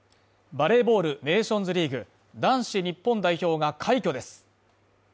バレーボール・ネーションズリーグ男子日本代表が快挙です。